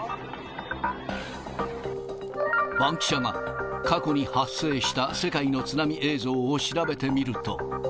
バンキシャが過去に発生した、世界の津波映像を調べてみると。